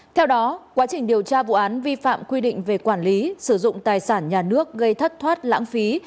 theo đó quá trình điều tra vụ án vi phạm quy định về quản lý sử dụng tài sản nhà nước gây thất thoát lãng phí